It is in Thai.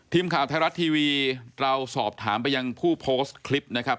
ทีมข่าวไทยรัฐทีวีเราสอบถามไปยังผู้โพสต์คลิปนะครับ